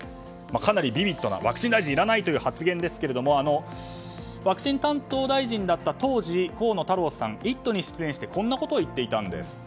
かなりビビットなワクチン大臣はいらないという発言ですがワクチン担当大臣だった当時河野太郎さん「イット！」に出演してこんなことを言っていたんです。